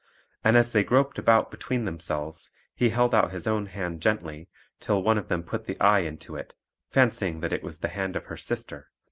And as they groped about between themselves, he held out his own hand gently, till one of them put the eye into it, fancying that it was the hand of her sister.